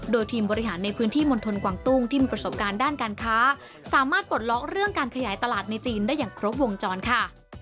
โดยทีมบริหารในพื้นที่มณฑลกวางตุ้งที่มีประสบการณ์ด้านการค้าสามารถปลดล็อกเรื่องการขยายตลาดในจีนได้อย่างครบวงจรค่ะ